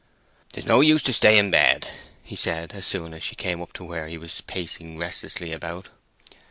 "'Tis no use to stay in bed," he said, as soon as she came up to where he was pacing restlessly about.